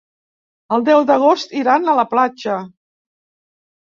El deu d'agost iran a la platja.